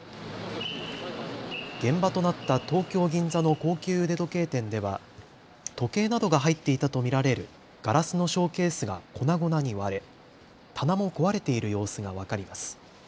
現場となった東京銀座の高級腕時計店では時計などが入っていたと見られるガラスのショーケースが粉々に割れ棚も壊れている様子が分かります。